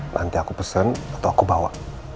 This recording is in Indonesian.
nanti aku pesen atau aku bawa